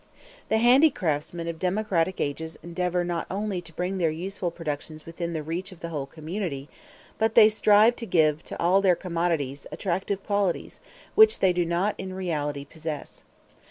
The handicraftsmen of democratic ages endeavor not only to bring their useful productions within the reach of the whole community, but they strive to give to all their commodities attractive qualities which they do not in reality possess.